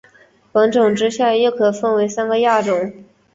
本种之下又可分为三个亚种。